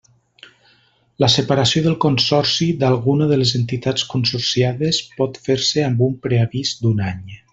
La separació del Consorci d'alguna de les entitats consorciades pot fer-se amb un preavís d'un any.